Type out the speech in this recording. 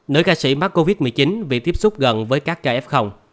nữ ca sĩ mắc covid một mươi chín vì tiếp xúc gần với các ca f